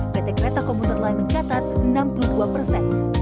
ketek ketek komputer lain mencatat enam puluh dua persen